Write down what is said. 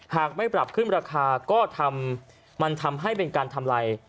หากไม่ปรับขึ้นราคาก็ทำมันทำให้เป็นการทำลาย